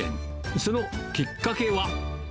そのきっかけ